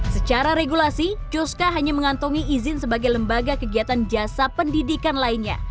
secara regulasi juska hanya mengantongi izin sebagai lembaga kegiatan jasa pendidikan lainnya